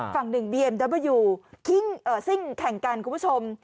ฝั่งหนึ่งบีเอ็มดับเบอร์ยูซิ่งแข่งกันคุณผู้ชม